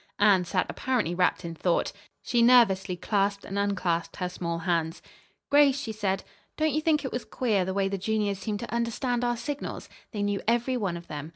Anne sat apparently wrapped in thought. She nervously clasped and unclasped her small hands. "Grace," she said, "don't you think it was queer the way the juniors seemed to understand our signals. They knew every one of them.